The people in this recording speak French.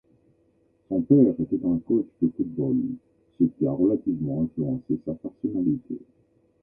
Son père était un coach de football, ce qui a relativement influencé sa personnalité.